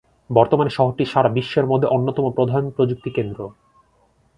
বর্তমানে শহরটি সারা বিশ্বের মধ্য অন্যতম প্রধান প্রযুক্তিকেন্দ্র।